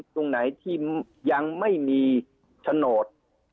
ตรงไหนที่ยังไม่มีโฉนด